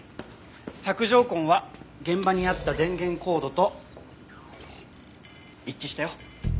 索条痕は現場にあった電源コードと一致したよ。